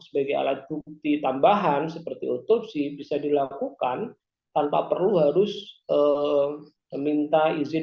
sebagai alat bukti tambahan seperti otopsi bisa dilakukan tanpa perlu harus meminta izin